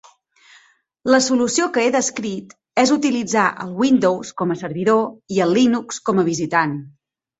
La solució que he descrit és utilitzar el Windows com a servidor i el Linux com a visitant.